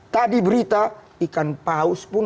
tadi berita ikan paus pun